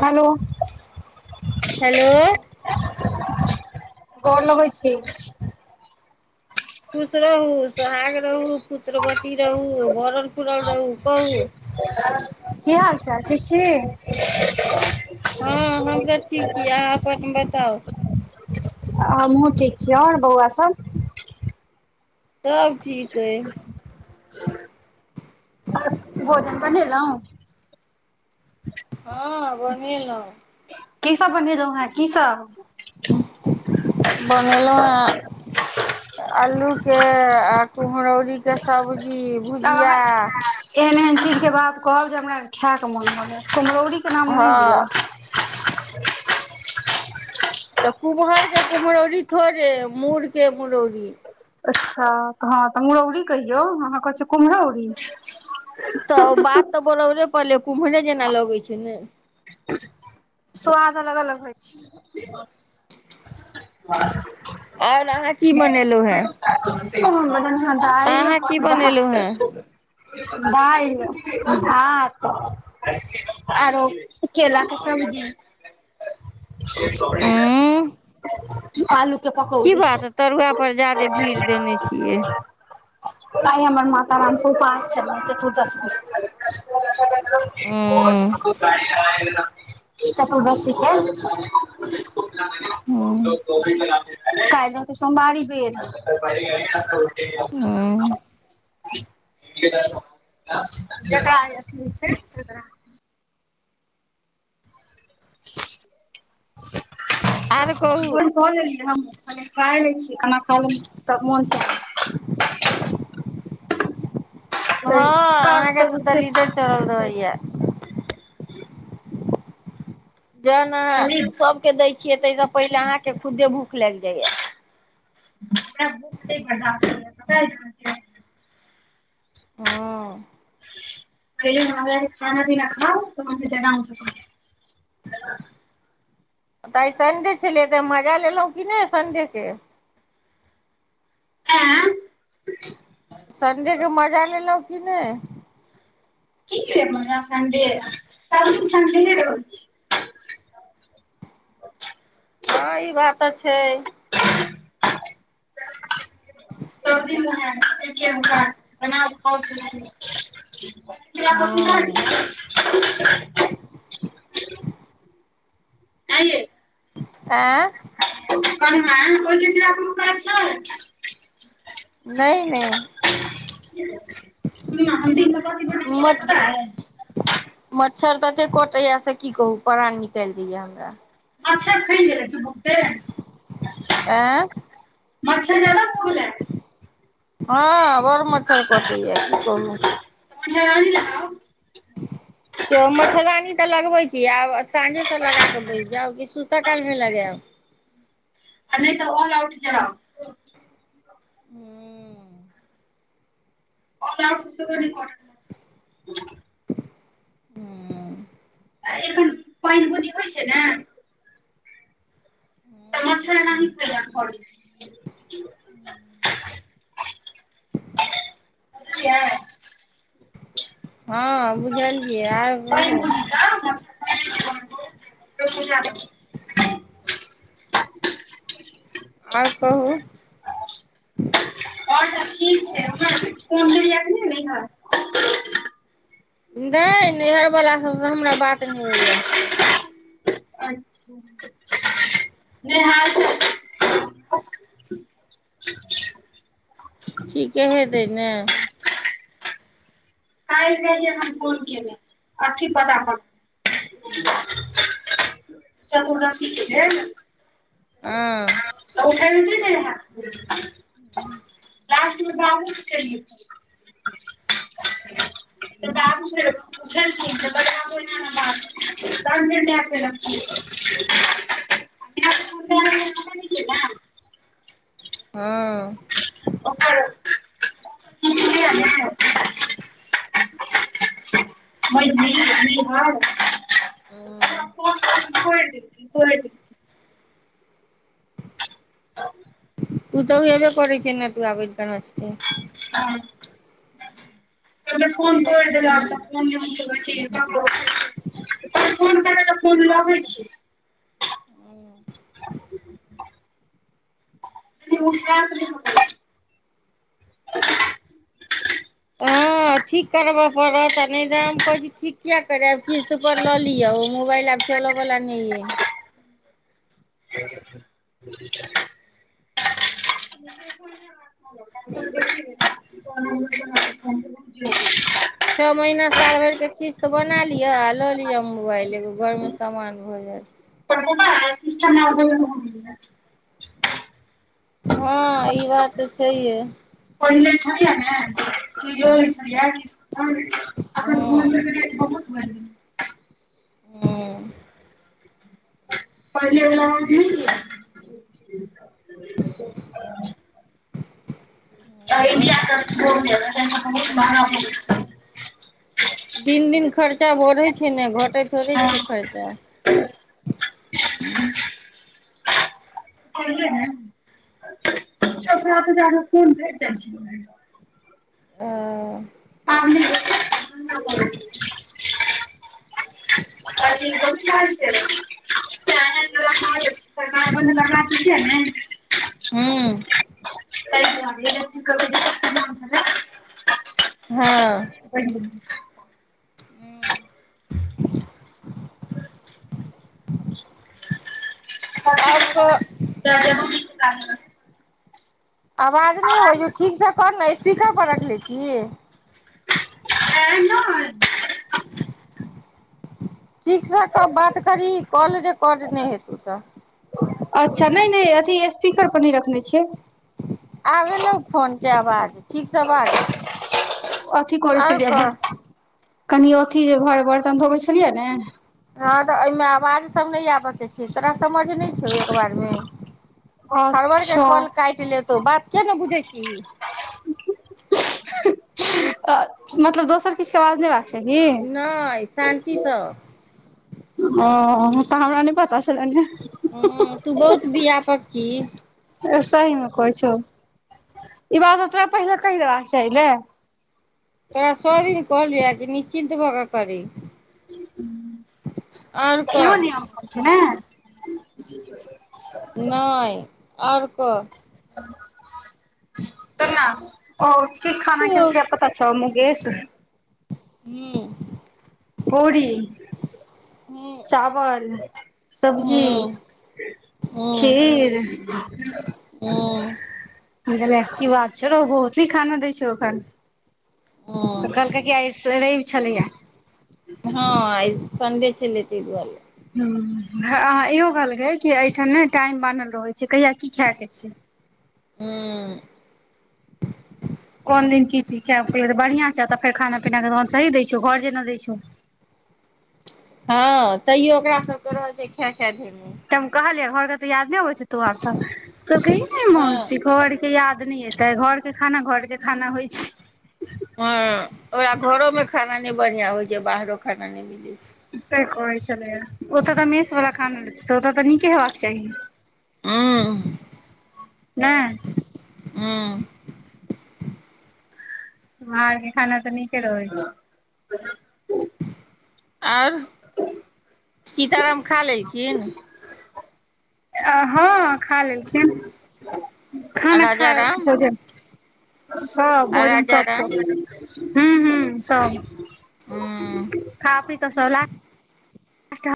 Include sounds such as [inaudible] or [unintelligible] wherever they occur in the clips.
hello hello गोर लगै छी खुश रहू सोहाग रहू पुत्रवती रहू भरल पुरल रहू कहू की हाल चाल ठीक छी हँ हम तऽ ठीक छी अहाँ अपन बताउ [inaudible] आ हमहु ठीक छी आओर बौआ सब सब ठीक अइ भोजन बनेलेहुँ [inaudible] हँ बनेलौ की सब बनेलौ हैं की सब बनेलौ हैं आलू के आ कुमहरौरी के सब्जी तब भुजिया अहाँ एहन एहन चीज के बात कहब जे हमरा खायके मोन भ जैत कुमहरौरी के नाम नय हँ लिअ तऽ कुम्हर कुम्हरौरी थोड़े मुर के मुरौरी अच्छा हँ तऽ हँ तऽ मुरौरी कहियौ अहाँ कह छ कुम्हरौरी तऽ ओ बात तऽ बोरबरे परले कुम्हरे जेना लगै छै ने स्वाद अलग अलग होइ छै आओर अहाँ की बनेलहुँ हेँ [unintelligible] कोन ब [inaudible] ज दइल अहाँ की बाहा बनेलहुँ हेँ दाइल भात आरो केेला के सब्जि उंम्म आलू के पकौ की बात तरुआ पर ज्यदे भीड़ देने छियै आय हमर मातााराम ऊपास छलै चतुर्दशमी हूँ चतुर्दशीके हूँ को [inaudible] काल हेतऽ सोमवारी बेर जकरा अथी होय छै तकरा [inaudible] आर कहू क लेलीयै हमहु खा लै छी खना खा लेले तब मोन चैन हँ तऽ काज अहाँके सब तऽ से दलिदर चढल रहैया जेना कहलियै अहाँ सबके दै छियै ताहिस पहिले अहा के खुदे भूख लाईग जाईया तै भुख नय बर्दाश्त होइया पता हैँ आहा के हँ अ हमे खाना पीना खाउ तहन हम आराम सँ तऽ आइ संडे छलियै तऽ मजा लेलहुँ कि नय संडे के आं सन्डे के मजा लेलहुँ कि नय क म सडे सडे रह [inaudible] हँ ई बात तऽ छै सब दिन ऊहै एके बनाऊ खाऊ हँ आं ऐ आँ करनमा बल आ अप कह छ [inaudible] नय नय जी [inaudible] कनिया हम दिन भर कथी बना क ऐलेय अय मत पता अय मच्छर तते कटैया से की कहू प्राण निकायल दैया हमरा मच्छर फूल जेतन ने बहुते आँ मच्छर जादा भ गेलै या हँ बड मच्छर कटैया की कहू मच्छरदानी लगाउ [inaudible] त मच्छरदानी तऽ लगबै छी आब साँझेसँ लगाकऽ बैस जाउ कि सूतअ कालमे लगैयब आ नहि तऽ ऑल आउट जराउ हूँ ऑल आउट से हो नहि काटत एखन पाइन बुनी होइ छै नऽ [inaudible] फेर मच्छरदानी खांजअ परै छै बुझलियै हँ बुझलियै और पानि कहु बुनी कऽ [inaudible] [inaudible] और कहुँ और सब ठीक छै अपन फोन गेलैया कि नइ नैहर नहि नैहर वाला सबसँ हमरा बात नइ होइ यऽ अच्छा नेहा ठीके हेतै नऽ काल्हि रहियै हम फोन केने अथी पता पर चतुर्दशी के जे हँ उठैबते नै रहै कोई लास्ट फेर बाबू के केलियै फोन तऽ बाबू फेर उठेलखिन त कहथिन आबै हमर बाबू संघे तहन फेर मेय केलक फोन माय के फोन कए रहलै हमरा नहि केलक हँ ओकर खिचलियै ने बड़ नीक निहर हमरा पांच सौ मे पढ़ि देलखिन पढ़ि देलखिन उ तऽ उऽ हबे करै छै नटुआ बनि क नचतै आब केओने फोन तोरि देलक फोन नै रखी केओ फोन करबै त फोन लगै छै [inaudible] केओ उठैत नै मगर [inaudible] तऽ ठीक करबऽ पड़त आ नहि त हम कहै छी ठीक किया करैब किस्त पर लऽ लिअ ओ मोबाइल आब चलअ बला नइ यऽ [unintelligible] [unintelligible] छौ महिना साल भरिके किस्त बना लिअ आ लऽ लिअ मोबाइल एगो घरमे सामान भऽ जायत अपन मोबाइल किस्त मे आब तेहन एलै च हँ ई बात तऽ छैहे पहिले छलियै ने कि दो हँ एई छलैया हम अपन बौआ हँ सबके जे बहुत [unintelligible] हुँ पहिले बला [unintelligible] इ इन्डिया के [unintelligible] दिन दिन खर्चा बढ़ै छै नऽ घटै थेरे नहि हँ छै खर्चा छरा तऽ जा कोन भेट जाइ छै [unintelligible] अ अ बहुत च छै च [unintelligible] र बन बात छिय ने [unintelligible] हूं क इट [unintelligible] हँ हुँ [unintelligible] [unintelligible] आओर कह ताबे हम चुका देबैन आवाज नहि अबइ छौ ठीकसँ कर ने स्पीकर पर रखले छी ऐं नै ठीकसँ बात करहिं कॉल रेकॉर्ड नहि हेतो त अच्छा नहि नहि अथी स्पीकर पर नहि रखने छियै आब एलहु फोने आवाज ठीकसँ बाज अथी करै छलियै ब कनि अथी जे घर बर्तन धोबै छलियै ने हँ तऽ एहिमे आवाज सब नहि आब के छै तोरा समझ नहि छौ एक बारमे खड़बर के अच्छा कॉल काटि लेतौ बात के ने बुझै छी ज [inaudible] मतलब दोसर किछु के आवाज ने आ चाहि नहि शान्तिसँ ओ तऽ हमरा नहि पता छलनि हूं तू बहुत व्यापक छीहिं सही मे कहइ छौ ई बात तोरा पहिने कहि देबाका चाही नेे तोरा सौ दिन कहिलयो की निश्चिन्त भकऽ करी आओर यओ कह नियम होइ छै ने नहि आओर कह त ओ कि खाना हूँ खेलके पता छऔ मुगेस हूं पूरी हूँ चावल सब्जी हूँ खीर हूँ की बात छै बहुत ही खाना दै छै अखन तऽ हूँ कहलकै कि आइ रवि छलैहा हँ आइ संडे छले तहि दुआरे हॅं अहाँ इहो कहलकै कि एहिठाम नहि टाइम बानल रहैत छै कहिया की खाय के छै हूॅं कोन दिन की चीज प तऽ बढ़िआँ छौ तऽ फेर खाना पीनााके तोन सही द छौ घर जेना दै छौ हँ तैयो ओकरा सबके रह छै खा खा धेने तब कहलियै घर के तऽ याद नहि हो छै तोर तऽ तो कहि ने हँ मौसी के याद न एते घर के खाना घर के खाना होइ छै हॅं ओकरा घरो में खाना नहि बढ़िया होइ छै बाहरो खाना नहि मिलै छै से कहै छलै ओतऽ तऽ मेष वाला खाना ओतऽ तऽ नीके हेबाक चाही हुँ नहिँ हुँ बाहर कें खाना तऽ नीके रहै छै आओर सीताराम खा लेलखिन आ हँ खा लेलखिन आ खाना खा राजा राम भोजन सब आ भोजन राजा सब राम हू ह सब हूँ खा पी कऽ सला स्टा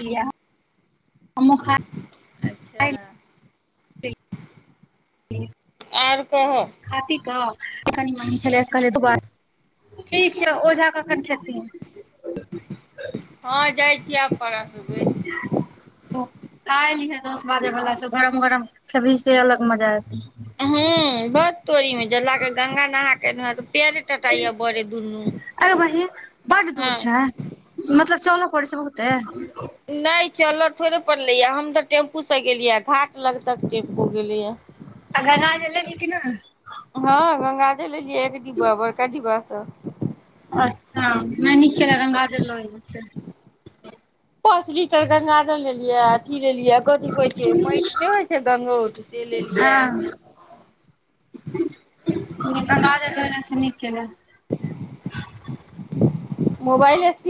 किया अच्छा आर कहऽ खा पी कऽ कनि म छलै कहै दुबार ठीक छै ओझा कखन खेतीन हँ जाइ छी आब परसबै [inaudible] ओ खाये लिहै दस बाजे बला छो गरम गरम खेभी से अलग मजा एयतै हू बड़ तोरी में जे गंगा नहा केना तऽ पैरे टाटतइय बड दुनू अरे बहिन बड्ड दूर हँ छै मतलब चल पड़ै छै बहुते नहि चलत थोड़े पड़लेया हम तऽ टेम्पू से गेलिय घाट लग तक टेम्पू गेले या आ गंगा जल लेलि कि ने हँ गङंगााजल लेलए एक डिब्बा बड़का डिब्ब सब अच्छा नै निक केलै गंगाजल ल एला से पाँच लिटर गंगा लेलिये अथी लेलिये कथी कहै छिय माटि नहि होइ छै गगौट से लेलियै हँ गंगाजल लेला से नीक केला मोबाइल एसपी